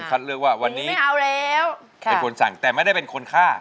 เป็นคนคัดเลือกว่าวันนี้เป็นคนสั่งแต่ไม่ได้เป็นคนค่า